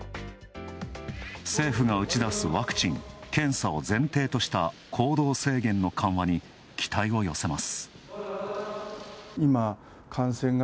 政府が打ち出すワクチン検査を前提とした行動制限の緩和に期待を寄せます。